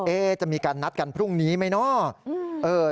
จะมีการนัดกันพรุ่งนี้ไหมเนาะ